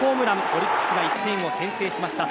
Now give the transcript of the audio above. オリックスが１点を先制しました。